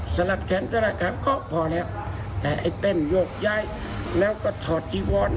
สลับแขนสลับขามก็พอแล้วแต่ไอ้เต้นโยกย้ายแล้วก็ถอดจีวอน